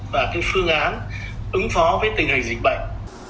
và cái phương án ứng phó với tình hình dịch bệnh